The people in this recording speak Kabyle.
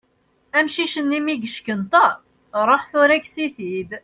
Amcic-nni, mi yeckenṭeḍ, ṛuḥ tura kkes-it-id.